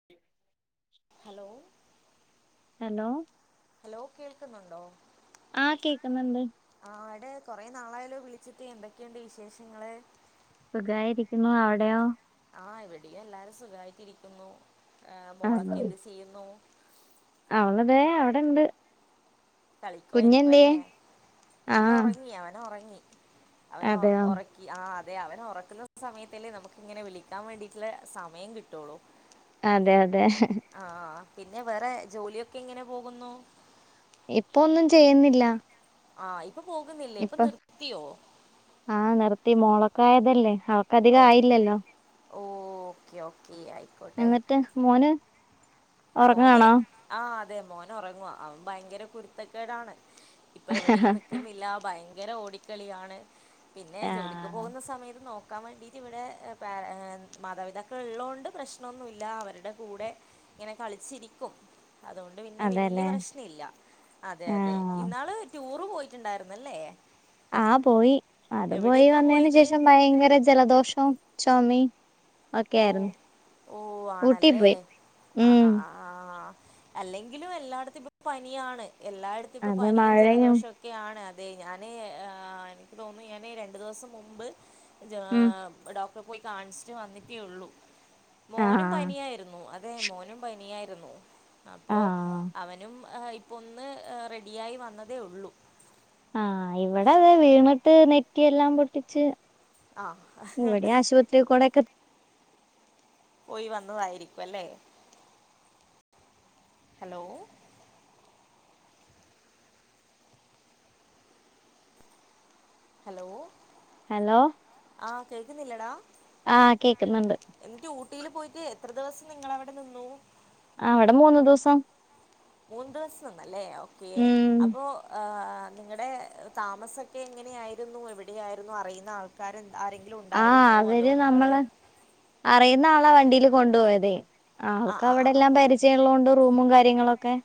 [inaudible] Hello hello hello കേൾക്കുന്നുണ്ടോ ആഹ് കേക്കുന്നുണ്ട് ആടെ കൊറെ നാളായാല്ലോ വിളിച്ചിട്ട് എന്തൊക്കെയുണ്ട് വിശേഷങ്ങള് സുഖായിരിക്കുന്നു അവടെയോ ആഹ് ഇവിടെയും എല്ലാരും സുഖമായിട്ടിരിക്കുന്നു ഏ മോളൊക്കെ എന്ത് ചെയ്യുന്നു അവളതേ അവടെണ്ട് കളിക്കുവായിരിക്കും അല്ലേ കുഞ്ഞു ആഹ് ഒറങ്ങി അവനൊറങ്ങി അവനെ അതെയോ ഒറ ക്കി ആ അതെ അവനെ ഒറക്കുന്ന സമയത്തല്ലേ നമുക്ക് ഇങ്ങനെ വിളിക്കാൻ വേണ്ടീട്ടുള്ള സമയം കിട്ടുള്ളു അതെ അതെ ആഹ് പിന്നെ വേറെ ജോലിയൊക്കെ എങ്ങനെ പോകുന്നു ഇപ്പൊ ഒന്നും ചെയ്യുന്നില്ല ആഹ് ഇപ്പൊ പോകുന്നില്ലേ ഇപ്പൊ നിർത്തിയോ ആഹ് നിർത്തി മോള് ക്കായതല്ലേ. ഒ ഓ ഓക്കേ ഓക്കേ ആയി. എന്നിട്ട് മോന്. മോന് ഉറങ്ങാണോ ആ അതെ മോനൊറങ്ങുവാ അവൻ ഭയങ്കര കുരുത്തക്കേടാണ്. ഇപ്പ എവടെയും നിക്കുന്നില്ല ഭയങ്കര ഓടിക്കളിയാണ്. പിന്നെ ജോലിക്ക് ആഹ് പോകുന്ന സമയത്ത് നോ ക്കാൻ വേണ്ടീട്ട് ഇവിടെ പാ മാതപിതാക്കൾ ഉള്ളോണ്ട് പ്രശ്നൊന്നുല്ല അവര്ടെ കൂടെ. ഇങ്ങനെ കളിച്ചിരിക്കും അതുകൊണ്ട് പിന്നെ വല്യ അതെല്ലേ പ്രശ്ന ഇല്ല. അതെ അതെ ആഹ് ഇന്നാള്. ടൂറ് പോയിട്ടുണ്ടായിരുന്നല്ലേ? ആ പോയി അത് പോയി എവിടേക്കാണ് വന്നതിന് പോയത് ശേഷം ഭയങ്കര ജലദോഷം ചൊമിം. ഓ ഒക്കെയായിരുന്നു. ഓ ഊട്ടി പോയി ഉം ആഹ് അല്ലെങ്കിലും എല്ലായിടത്തും ഇപ്പ പനിയാണ്. എല്ലായിടത്തും ഇപ്പൊ അതെ പനിയും മഴയും ജലദോഷൊ ക്കെയാണ് അതെ ഞാന് എനിക്ക് തോന്നുന്നു. ഞാന് രണ്ടു ദിവസം മുമ്പ് ജാ ഉം ഡോക്ടറെ പോയി കാണിച്ചിട്ട് വന്നിട്ടേയുള്ളു. മോനും ആഹ് പനിയായിരുന്നു അതെ മോനും പനിയായിരുന്നു. അപ്പോ ആഹ് അവനും ഇപ്പൊ ഒന്ന് റെഡിയായി വന്നതേയുള്ളൂ. ആഹ് ഇവടെയത വീണിട്ട് നെറ്റിയെല്ലാം പൊട്ടിച്ച്. ആ ഇവടി ആശുപത്രിക്കൂടെ പോയി വന്നതായിരിക്കും അല്ലേ ഹലോ? ഹലോ? ഹലോ ആഹ് കേൾക്കുന്നില്ലടാ. ആഹ് കേക്കുന്നുണ്ട് എന്നിട്ട് ഊട്ടിയില് പോയിട്ട് എത്ര ദിവസം നിങ്ങളവടെ നിന്നു. അവടെ മൂന്നു ദിവസം. മൂന്ന് ദിവസം നിന്നല്ലേ ഓക്കേ ഉം അപ്പോ ആ നിങ്ങടെ താമസൊക്കെ എങ്ങനെയായിരുന്നു. എവിടെയായിരുന്നു. അറിയുന്ന ആൾക്കാര് ആരെ ആഹ് ങ്കിലുണ്ടായിരുന്നോ അതോ അവര് നിങ്ങള്. നമ്മള് അറിയുന്ന ആളാ വണ്ടീല് കൊണ്ടുപോയതെ ആ ആൾക്ക് ആ ആ ആ. അവിടെല്ലാം പരി ചയള്ളോണ്ട് റൂമും കാര്യങ്ങളൊക്കെ.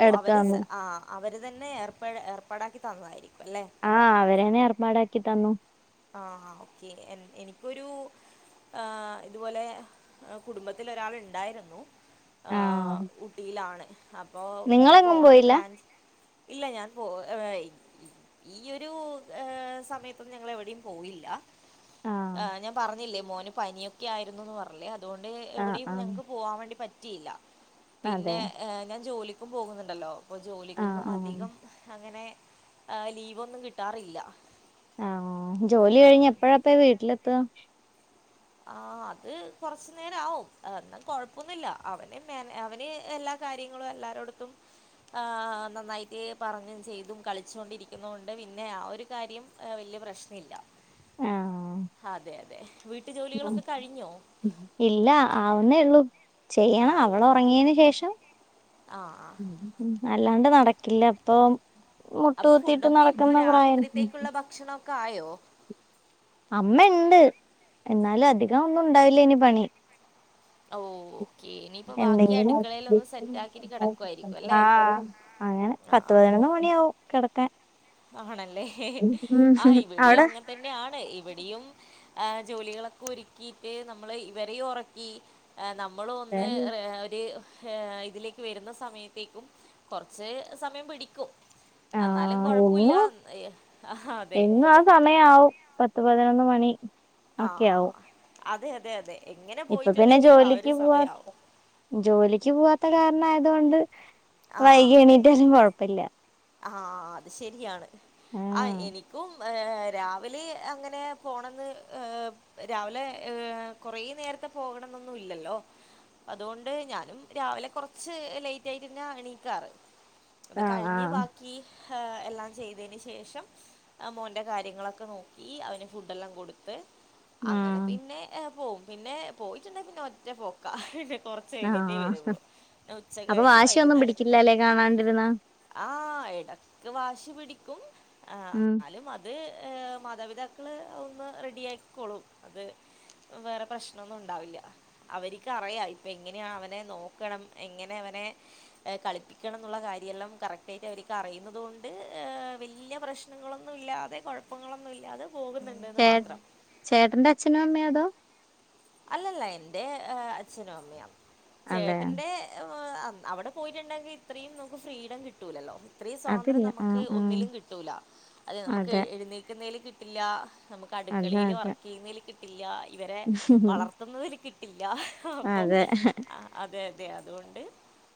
ഓഹ് എടുത്ത് അവര് തന്നു ആ അവര് തന്നെ ഏർപാ ഏർപ്പാടാക്കി തന്നതായിരിക്കും. അല്ലെ ആഹ് അവരന്നെ ഏർപ്പാടാക്കി തന്നു. ആ ഓക്കേ എനിക്കൊരു. ആ ഇതുപോലെ കുടുംബത്തിലൊരാൾ ഇണ്ടായിരുന്നു. ആ ആഹ് ഊട്ടിയിലാണ്. അപ്പൊ ഇങ്ങനെ നിങ്ങളെങ്ങും പോണെന്ന് പോയില്ല പ്ലാൻ ഇല്ല ഞാൻ പോ ഈ ഒരു സമയത്തൊങ്ങള എവി ഞ്ഞി പോയില്ല ആഹ് ഞാൻ പറഞ്ഞില്ലേ മോന് പനിയൊക്കെ ആയിരുന്നുന്ന് പറഞ്ഞ.. തൊണ്ട് ആഹ് എവിടെയും ആഹ് ഞങ്ങക്ക് പോകൻ വേണ്ടി പറ്റിയില്ല. പിന്നെ അതെ ഞാൻ ജോലി.. പോകുന്നുണ്ടല്ലോ ഇപ്പൊ ആഹ് ജോലിക്കൊന്നും ആഹ് അധികം അങ്ങനെ. ആ് ലീവൊന്നും കിട്ടാറില്ല. ആഹ ജോലി കഴിഞ്ഞ് എപ്പഴാപ്പ വീട്ടിലെത്ത. ആ അത് കൊറച്ച് നേരം ആവും. എന്നു കൊഴപ്പൊന്നില്ല അവന് മ അവന് എല്ലാ കാര്യങ്ങളും എല്ലാരോടത്തും. ആ നന്നായിട്ട് പറഞ്ഞും ചെയ്തും കളിച്ചുണ്ടിരിക്കുന്നൊണ്ട്. പിന്നെ ആ ഒരു കാര്യം. ഏ വലിയ പ്രശ്ന ഇല്ല. ആഹ് അതെ അതെ വീട്ടു ഉം ജോലികളൊക്കെ കഴിഞ്ഞോ? ഇല്ല ആവുന്നേ ഉള്ളൂ. ചെയ്യണം അവളൊറങ്ങിയതിന് ശേഷം. ആ ആ ഉ അല്ലാണ്ട് നടക്കില്ലപ്പം. അപ്പൊ ഫുഡൊക്കെ ഇപ്പൊ രാത്രിത്തേക്കുള്ള ഭക്ഷണൊക്കെ ആയോ? അമ്മണ്ട് എന്നാലും അധികംന്നുണ്ടാവില്ലേനി പണി. ഓഓ എന്തെങ്കിലും സെറ്റാക്കിട്ട് കെടക്കുവായിരിക്കും അല്ലേ ആ അങ്ങനെ പത്ത് ആഹ് പതിന് മ ണിയവും കിടക്കാൻ. ആണല്ലേ. ഉം ആ ഇപടിം അവിടെ അങ്ങനത്തന്നെ. ണ് ഇവിടെയും ആ ജോലികളൊക്കെ ഒരുക്കിയിട്ട് നമ്മള് ഇവരെ ഒറക്കി. ആഹ് നമ്മളു ഒന്ന് ഒരി ഇതിലേക്ക് വെരുന്ന സമയത്തേക്കും കുറച്ച് സമയം പിടിക്കും. എന്നാലും ആഹ് പ്പൂല്ല എന്നും ആഹ് അതെ എന്നും ആ സമയാവും പത്ത് പതിനൊന്ന് മണി ഒക്കെ ആവും ആഹ് അതെ അതെ അതെ എങ്ങനെ ഇപ്പൊ പിന്നെ പോയിട്ടുണ്ടെങ്കിലും ആ ഒരു ജോലിക്ക് പോവാ സമയമാവും ജോലിക്ക് പോവാത്ത കാരണയതൊണ്ട് വൈകി എണീറ്റാലും കൊഴപ്പല്ല ആഹ് അത് ശരിയാണ്. ആഹ് എനിക്കും രാവിലെ അങ്ങനെ പോണെന്ന് രാവിലെ ഏ കൊറേ നേരത്തെ പോകണംന്നൊന്നും ഇല്ലല്ലോ. അതൊണ്ട് ഞാനും രാവിലെ കൊറച്ച് ലേറ്റായിട്ടെന്നാ എണീക്കാറ്. അത് ആഹ് കഴിഞ്ഞ് ആഹ് ബാക്കി എല്ലാം ചെയ്തേന് ശേഷം. ആഹ് മോന്റെ കാര്യങ്ങളൊക്കെ നോക്കി. അവന് ഫുഡ്‌ല്ലാം കൊട്ത്ത്. അങ്ങനെ ഉം പിന്നെ പോവും പിന്നെ പോയിറ്റ്ണ്ടെ പിന്നെ ഒറ്റ പൊക്ക പിന്നെ കൊറ ച്ച് കഴിഞ്ഞിട്ടേ ആഹ് വരുള്ളൂ. പിന്ന ഉച്ച അപ്പൊ കഴിഞ്ഞ് വാശിയൊന്നും വൈകുന്നേരക്കെ പിടിക്കില്ലല്ലേ കഴിഞ് കാണാണ്ടിരുന്നാ ആഹ് എടക്ക് വാശി പിടിക്കും ആഹ് ഉം എന്നാലും അതി അത് മാതാപിതാക്കൾ ഒന്ന് റെഡി ആക്കിക്കോളും അത്. വേറെ പ്രശ്നൊന്നുംണ്ടാവില്ല അവര്ക്ക്റിയ ഇപ്പൊ എങ്ങനെയാ അവനെ നോക്കണം എങ്ങനെ അവനെ കളിപ്പിക്കണം എന്നുള്ള കാര്യെല്ലാം കറക്റ്റായിട്ട് അവർ കറിയുന്നുന്നത് കൊണ്ട് വലിയ പ്രശ്നങ്ങളൊന്നുല്ലാതെ കൊഴപ്പങ്ങളൊന്നുല്ലാതെ പോകുന്ന് ചേ ചേട്ടന്റെ അച്ഛനും അമ്മയോ അതോ അല്ലല്ല എന്റെ അച്ഛനും അമ്മയാ അതെ ചേട്ടന്റെ അവിടെ പോയിട്ടുണ്ടെങ്കി ഇത്രയും നമുക്ക് ഫ്രീഡം കിട്ടൂലല്ലോ. ഇത്രീം സ്വാതന്ത്ര്യം അതില്ല ഉം നമുക്ക് ഉം ഒന്നിലും കിട്ടൂല. അതെ നമുക്ക് എഴുന്നെക്കുന്നേല് കിട്ടില്ല. നമുക്ക് അതെ അടുക്കളയില് അതെ വർക്ക്യ്യുന്നേല് കിട്ടില്ല ഇവരെ വളർത്തുന്നതില് കിട്ടില്ല ആഹ് അപ്പൊ അതെ ആഹ് അതെ അതെ അതുകൊണ്ട്.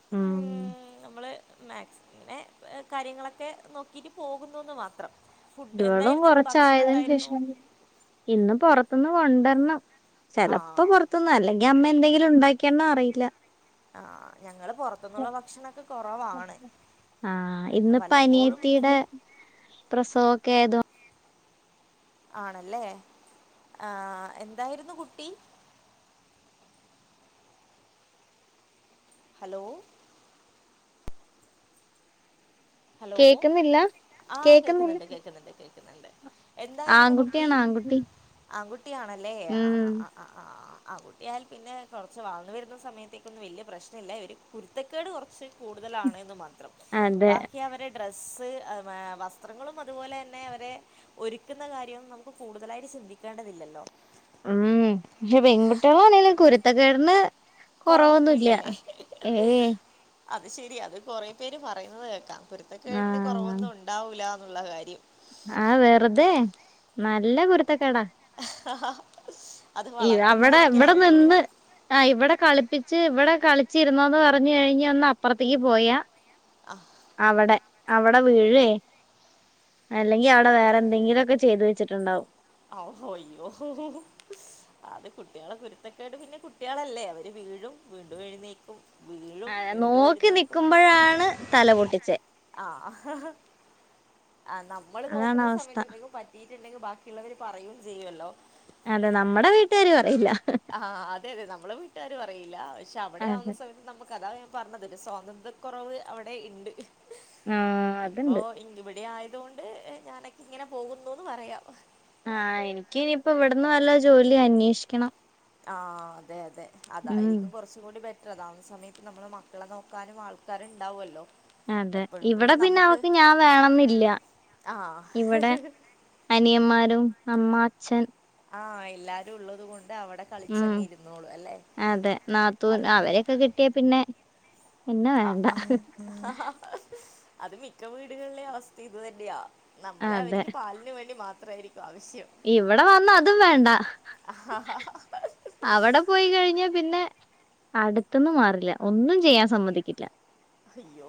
ഉം നമ്മള് മാക്സി മേ കാര്യങ്ങളൊക്കെ നോക്കിട്ട് പോകുന്നൂന്ന് മാത്രം ഫുഡ് ഇവെളും എന്തായിരുന്നു ഇന്ന് ഭക്ഷണം കൊറച്ചായതിന് എന്തായിരുന്നു? ശേഷം ഇന്ന് പൊറത്തുന്ന് കൊണ്ടരണം ചെലപ്പോ ആ പൊറത്ത്ന്ന് അല്ലെങ്കി ങ്കി അമ്മ എന്തെങ്കിലു ഇണ്ടാക്കിയോന്നറിയില്ല ആഹ് ഞങ്ങള് പൊറത്ത് ത്തുന്നുള്ള ഭക്ഷണക്കെ കെറവാണ് ആഹ് വല്ലപ്പോഴും പ്രസവൊക്കെയതോ ആണല്ലേ ആഹ് എന്തായിരുന്നു കുട്ടി ഹലോ ഹലോ കേക്കുന്നില്ല ആഹ് കേക്കുന്നില്ല കേൾക്കിന്നണ്ട് കേക്കുന്നണ്ട് കേക്ക്ന്നണ്ട് എന്തായിരുന്നു കുട്ടി ആൺകുട്ടിയാണ് ആൺകുട്ടി ആൺകുട്ടിയാണല്ലേ ഉം ആഹ്ആഹ്ആഹ് ആഹ് ആഹ് ആഹ് ആൺകുട്ടിയായാൽ പിന്നെ കെറച്ച് വളർന്നവരുന്ന സമയത്തേക്കൊന്നും വല്യ പ്രശ്നല്ല അവര് കുരുത്തക്കേട് കെറച്ച് കൂടുതലാണന്ന് മാത്രം അതെ ബാ ക്കി അവരെ ഡ്രസ്സ് വസ്ത്രങ്ങളും അതുപോലെന്നെ അവരെ ഒരുക്ക്ന്ന കാര്യം നമക്ക് കൂടുതലായിട്ട് ചിന്തിക്കേണ്ടതില്ലല്ലോ ഉം പഷേ പെൺകുട്ടികളണെങ്കിലു കുരുത്തക്കേടിന് കൊറവൊന്നുല്ല കൊറവൊന്നുല്ലല്ലേ ഏയ് അത്ശെരിയാ അത് കൊറെപേര് പറയുന്നത് കേൾക്കാം കുരുത്തക്കേടിന് ആഹ് കെറവൊന്നും ഉണ്ടാവൂലാന്നുള്ള കാര്യം ആഹ് വെറ്തെ നല്ല കുരുത്തക്കേടാ ആഹ് ഹ ഈ അവിടെ ഇവിടെ നിന്ന് ആഹ് ഇവിടെ കളിപ്പിച്ച് ഇവിടെ കളിച്ചിരുന്നോന്ന് പറഞ്ഞാഴിഞ്ഞെന്ന് അപ്പർത്തേക്ക് പോയാ ആഹ് അവടെ അവടെ വീഴേ അല്ലെങ്കി അവടെ വേറെന്തെങ്കിലുമൊക്കെ ചെയ്തു വെച്ചിട്ടണ്ടാവും ആഹ് യ്യോ ഹോ ഹോ അത് കുട്ട്യളെ കുരുത്തക്കേട് പിന്നെ കുട്ട്യളല്ലേ അവര് വീഴും വീണ്ടും എഴുന്നേക്കും വീഴും ഏ, വീണ്ടു നോക്കി എഴുന്നേക്കും അങ്ങൻതന്നെ നിക്കുമ്പോഴാണ് തല പൊട്ടിച്ചേ ആഹ് ആഹ് നമ്മള് അതാണ് നോക്കുന്ന അവസ്ഥ സമയത്ത് എന്തെങ്കിലു പറ്റിട്ടുണ്ടെങ്കിൽ ബാക്കി ഉള്ളവര് പറയും ചെയ്യുല്ലോ അതെ നമ്മടെ വീട്ടുകാര് പറയില്ല ആഹ് അതെ അതെ നമ്മള വീട്ടുകാര് പറിയില്ല പശെ അവിടെയാവുന്ന അതെ സമയത്ത് നമ്മുക്കതാ പറഞ്ഞത് സ്വാതന്ത്രകൊറവ് അവിടെ ഇണ്ട് ആ ഇപ്പോ അതുണ്ട് ഇവിടെയയതുകൊണ്ട് ഞാനൊക്കെ ഇങ്ങനെ പോകുന്നുന്ന് പറയാം ആഹ് എനിക്ക് ഇനിയിപ്പോ ഇവടന്ന് വല്ല ജോലി അന്വേഷ്ക്കണം ആഹ് അതെ അതെ ഉം അതായിരിക്കും കെറച്ച് കൂടി ബെറ്റർ അതാവുന്നസമയത്ത് നമ്മള മക്കളെ നോക്കാനും ആൾക്കാരും ഇണ്ടാവുല്ലോ അതെ ഇവിടെ പിന്നെ അവക്ക് ഞാൻ വേണന്നില്ല ഇവിടെ ആഹ് അനിയൻമാരും അമ്മ അച്ഛൻ ആഹ് എല്ലാരും ഉള്ളത് കൊണ്ട് അവിടെ ഉം. കളിച്ചങ്ങിയിരുന്നോളു അല്ലെ അതന്നെ ഒക്കെ കിട്ടിയാ പിന്നെ എന്നെ വേണ്ട. ആഹ് അത് മിക്ക വീടുകൾലെ അവസ്ഥ ഇത് തന്നെയാ നമ്മളെ അതെ. അവരിക്ക് പാലിന് വേണ്ടി മാത്രായിരിക്കും ആവശ്യം ഇവിടെ വന്നാ അതും വേണ്ട അവിടെപോയി കഴിഞ്ഞാപിന്നെ അടുത്ത്ന്നു മാറില്ല ഒന്നും ചെയ്യാ സമ്മതിക്കില്ല അയ്യോ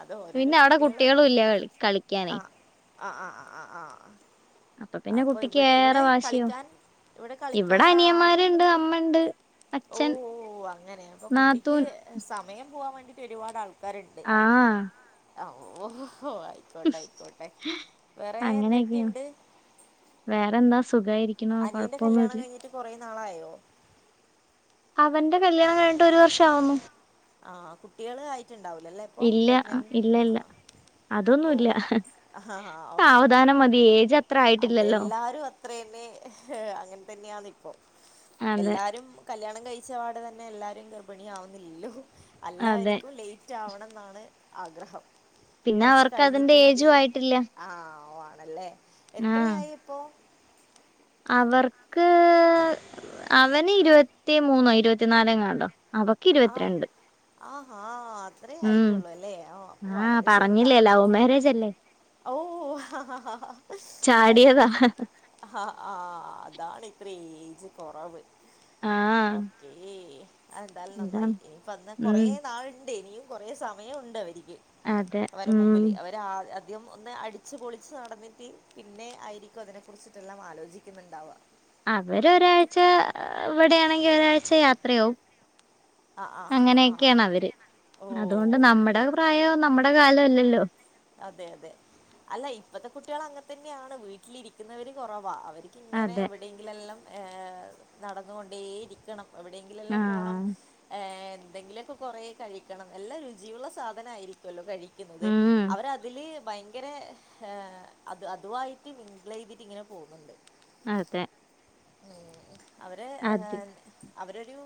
അത് ഓരോരോ പിന്നെ അവിടെ കുട്ട്യോള് കുട്ടികളും ഇല്ല കളി കളിക്കാനേ. ആഹ്ആഹ് ആഹ് ആ ആ ആ പിന്നെ അപ്പൊ കുട്ടിക്ക് ഇവിടെ ഇവിടെ ഏറെ വാശിയാവും. കളിക്കാൻ ഇവിടെ കളിക്കൻ ആ അനിയന്മാരുണ്ട്, അമ്മണ്ട്, അച്ഛൻ, ഓഹ് ഓഹ് അങ്ങനെ അപ്പൊ കുട്ടിക്ക് നാത്തൂൻ സമയം പോവാൻ വേണ്ടിട്ട് ഒരുപാട് ആൾക്കാരിണ്ട് ആഹ് ഓഹ് ആഹ് ആയിക്കോട്ടെ ആയിക്കോട്ടെ വേറെ അങ്ങനെയൊക്കെയാണ്. എന്തൊക്കെണ്ട് വേറെന്താ സുഖായിരി അനിയന്റെ കല്യാണം കയിഞ്ഞിട്ട് കൊറേ നാളായോ അവന്റെ കല്യാണം കഴിട്ട് ഒരു വർഷം ആവുന്നു ആ കുട്ടികൾ ആയിട്ടുണ്ടാവൂലല്ലേ ഇപ്പൊ ഇല്ല പ്രഗ്നന്റ് ഇല്ല ആഹ് ഇല്ല അതൊന്നുല്ല ഓക്കെ സാവധാനം മതി ഏജ് അത്ര ആയിട്ടില്ലല്ലോ അതെല്ലാരും അത്ര തന്നെ അങ്ങനെ തന്നെയാണ് അപ്പോ അതെ എല്ലാരും കല്യാണം കഴിച്ചപാട് തന്നെ എല്ലാരും ഗർഭിണി ആവുന്നില്ലല്ലോ അതെ എല്ലാവരിക്കും ലേറ്റ് ലൈറ്റാവണം എന്നാണ് ആഗ്രഹം പിന്നെ കൊറച്ച് അവർക്ക് അതിന്റെ കഴിഞ്ഞിട്ട് മതി ഏജും ആയിട്ടില്ല ആഹ് ഒഹ് ആണല്ലേ ആഹ് എത്രയായി ഇപ്പോം അവർക്ക് അവന് ഇരുപത്തി മൂന്നോ ഇരുപത്തിനാല് എങ്ങാണ്ടോ അവക്ക് ഇരുപത്തിരണ്ട് ആഹാ അത്രേ ഉം ആയിട്ടുള്ളൂ അല്ലേ ആഹ് അപ്പൊ വളരെ ചെറുതാ ലൗ മേരേജല്ലെ ഔ ഹ് ചാടിയതാ ആയിക്കോട്ടെ അഹ് ആഹ് അതാണ് ഇത്രം ഏജ് കൊറവ് ആഹ് ഓക്കേ അത് എന്താലും നന്നായി അതാണ് ഇനിപ്പ അന്ന് കൊറേ ഉം നാളുണ്ട് ഇനിയും കൊറേ സമയണ്ട് അവര്ക്ക് അതെ അവരെ ഉം മുമ്പില് അവരെ ആഹ് ആദ്യം ഒന്ന് അടിച്ച് പൊളിച്ച് നടന്നിട്ട് പിന്നെ ആയിരിക്കും അതിനെക്കുറിച്ചിട്ടെല്ലാം ആലോചിക്കുന്നുണ്ടാവ അവര് ഒരാഴ്ച ഇവിടെയാണെങ്കിൽ ഒരാഴ്ച യാത്രയാവും ആ ആ ആ ആ അങ്ങനൊക്ക്യാണവര് ഓ അതോണ്ട് നമ്മടെ ഓക്കെ പ്രായവും നമ്മുടെ കാലോം അല്ലല്ലോ അതെ അതെ അല്ല ഇപ്പത്തെ കുട്ട്യാള് അങ്ങെൻത്തെന്ന്യാണ് വീട്ടിലിരിക്കുന്നവര് കൊറവാ അവര് ക്ക് ങ്ങനെ അതെ. എവിടെയെങ്കിലെല്ലം ഏ നടന്നു കൊണ്ടേ ഇരി ക്കണം എവിടെയെങ്കിലെല്ലം പോണം ആഹ്. ഏ എന്തെങ്കിലൊക്കെ കൊറേ കഴിക്കണം എല്ലം രുചിയുള്ള സാധനായിരിക്കല്ലോ കഴിക്കുന്നത് ഉം. അവരതില് ഭയങ്കര അത് അതുവായിട്ട് മിംങ്ളെയ്തിട്ട് ഇങ്ങനെ പോന്ന്ണ്ട് അതെ ഉം അവര് അത് അവരൊരു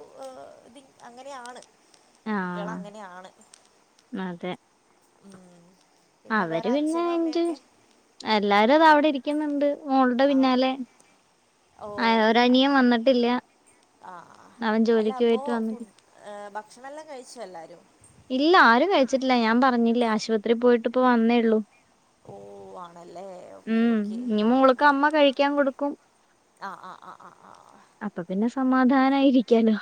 ഇത് അങ്ങനെയാണ് കുട്ട്യാള് ആഹ്. അങ്ങനെയാണ് അതെ. ഉം പിന്നെ അവര് വേറെ പിന്നെ അച്ഛനും എൻജോയ് അമ്മയൊക്കെ എല്ലാരും അതാ അവടെ ഇരിക്ക്ന്ന്ണ്ട് മോള്ടെ പിന്നാലെ അ ഒരനിയൻ വന്നിട്ടില്ല ആ ആ അവൻ അല്ല ജോലിക്ക് അപ്പോ പോയിട്ട് വന്നിട്ട് ഫുഡ് ഭക്ഷണെല്ലാം കഴിച്ചോ എല്ലാരും ഇല്ല ആരും കഴിച്ചിട്ടില്ല ഞാൻ പറഞ്ഞില്ലേ ആശുപത്രി പോയിട്ട് ഇപ്പ വന്നേള്ളൂ ഓ ആണല്ലേ ഓക്കെ ഉം ഓക്കെ ഞ്ഞി മോള്ക്ക് അമ്മ കഴിക്യാൻ കൊടുക്കും ആ ആ ആ ആ ആ അപ്പൊ പിന്നെ സമാധാനായിരിക്കാലോ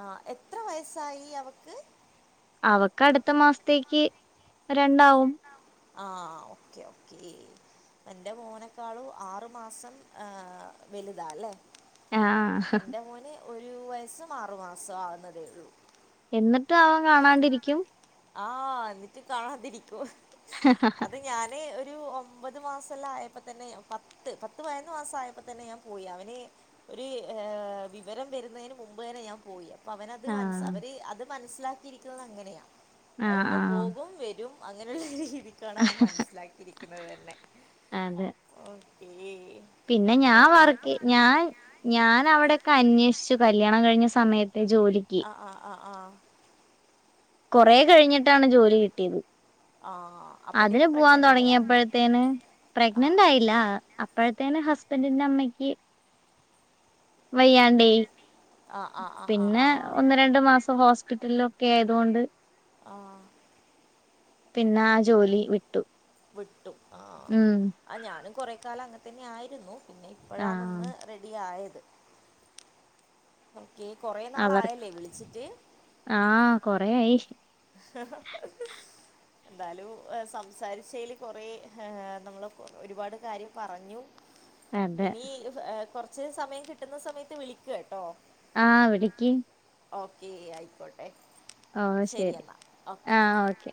ആ എത്ര വയസ്സായി അവക്ക് അവക്ക് അടുത്ത മാസത്തേക്ക് രണ്ടാവും ആ ഓക്കെ ഓക്കെ എന്റെ മോനേക്കാളും ആറു മാസം വെലുതാല്ലേ ആഹ്. എൻ്റെ മോന് ഒരു വയസ്സും ആറു മാസും ആകുന്നതേള്ളൂ എന്നിട്ടും അവൻ കാണാണ്ടിരിക്കും ആ എന്നിട്ട് കാണാതിരിക്കും ഹഹഹ അത് ഞാന് ഒരു ഒമ്പത് മാസെല്ലം ആയപ്പ തന്നെ പ ത്ത് പത്ത് പതിനൊന്ന് മാസായപ്പോ തന്നെ ഞാൻ പോയി അവന് ഒരു ഏ വിവരം വെരുന്നതിന് മുമ്പ് തന്നെ ഞാൻ പോയി പ്പവനത് മനസ് ആഹ്. അവര് അത് മനസ്സിലാക്കിയിരിക്കുന്നത് അങ്ങന്യാ ആഹ് ഉമ്മ ആഹ്. പോകും വെരും അങ്ങനുള്ള രീതി ക്കാണ് അവന് മനസ്സിലാക്കിയിരിക്കുന്നത് തന്നെ അതെ ഓക്കേ അപ്പൊ പിന്നെ ഞാൻ അങ്ങനെയൊക്കെയാണ് വർക്ക്‌ കാര്യം ഞാൻ ഞാൻ അവിടെയൊക്കെ അന്വേഷിച്ചു കല്യാണം കഴിഞ്ഞ സമയത്ത് ജോലിക്ക് ആ ആ ആ കൊറേ കഴിഞ്ഞിട്ടാണ് ജോലി കിട്ട്യേത് ആ അതിന് പോവാൻ തൊടങ്ങിയപ്പോഴത്തേന് ആഹ് പ്രഗ്നന്റായില്ല അപ്പഴത്തേെന് ഹസ്ബന്റിന്റെമ്മക്ക് വയ്യാണ്ടേ ആഹ് ആഹ് ആഹ് ആഹ് പിന്നെ ആഹ് ഒന്ന് രണ്ട് മാസം ഹോസ്പിറ്റലിലൊക്കായതോണ്ട് ആ പിന്നാ ജോലി വിട്ടു വിട്ടു ആ ഉം ആ ഞാനും കൊറെ കാലം അങ്ങെൻത്തെന്നായിരുന്നു പിന്നെ ആഹ് ഇപ്പഴാന്നൊന്ന് റെഡി ആയത് ഓക്കെ കൊറേ നാളായല്ലേ വിളിച്ചിട്ട് ആ കൊറേ ആയി ആഹ് ന്നാലും സംസാരിച്ചേല് കൊറേ നമ്മള് ഒരുപാട് കാര്യം പറഞ്ഞു അതെ എനി കൊർച്ച് സമയം കിട്ടുന്ന സമയത്ത് വിളിക്ക്‌ കേട്ടോ ആ വിളിക്ക് ഓക്കേ ആയിക്കോട്ടെ ഓഹ് ശരി എന്നാൽ ഓക്കെ ആഹ് ഓക്കെ